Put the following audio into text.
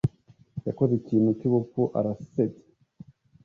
Yakoze ikintu cyubupfu arasebya. (